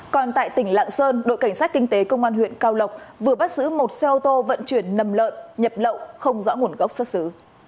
còn tại tỉnh lạng sơn đội cảnh sát kinh tế công an huyện cao lộc vừa bắt giữ một xe ô tô vận chuyển nầm lợn nhập lậu không rõ nguồn gốc xuất xứ